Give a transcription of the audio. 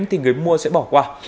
thì người mua sẽ bỏ qua